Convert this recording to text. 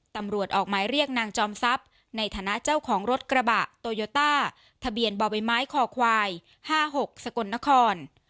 ตำรวจออกหมายเรียกนางจอมทรัพย์ในฐานะเจ้าของรถกระบะโตโยต้าทะเบียนบ่อใบไม้คอควาย๕๖สกลนคร